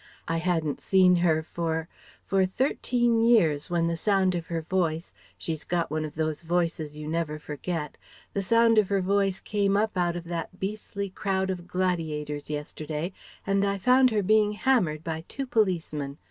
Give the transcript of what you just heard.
I hadn't seen her for for thirteen years, when the sound of her voice She's got one of those voices you never forget the sound of her voice came up out of that beastly crowd of gladiators yesterday, and I found her being hammered by two policemen.